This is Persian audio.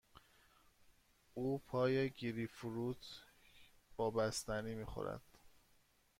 او پای گریپ فروت با بستنی می خورد.